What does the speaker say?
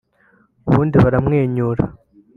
ubundi baramwenyura